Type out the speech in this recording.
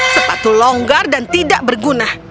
sepatu longgar dan tidak berguna